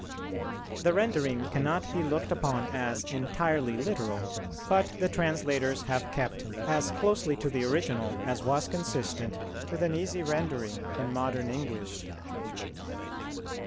The rendering cannot be looked upon as entirely literal, but the translators have kept as closely to the original as was consistent with an easy rendering in modern English.